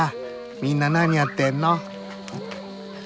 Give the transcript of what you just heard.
みんな何やってんの？